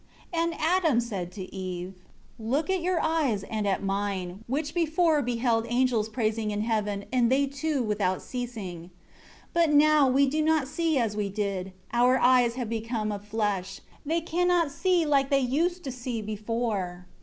8 And Adam said to Eve, "Look at your eyes, and at mine, which before beheld angels praising in heaven; and they too, without ceasing. 9 But now we do not see as we did; our eyes have become of flesh; they cannot see like they used to see before."